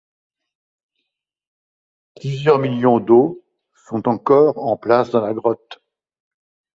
Plusieurs millions d'os sont encore en place dans la grotte.